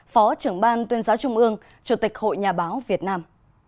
phó trưởng ban tuyên giáo trung ương chủ tịch hội nhà báo việt nam